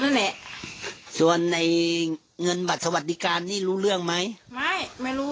นั่นแหละส่วนในเงินบัตรสวัสดิการนี่รู้เรื่องไหมไม่ไม่รู้